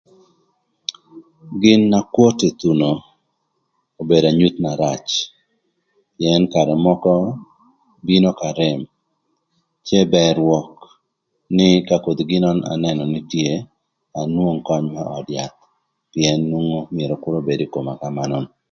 Gin na kwot ï thuno obedo anyuth na rac pïën karë mökö bino k'arem cë bër rwök nï ka kothi gin nön anënö nï tye, myero anwong köny kï öd yath pïën omyero kür obed ï koma kömanön.